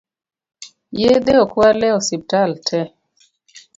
Yedhe okwal e osiptal tee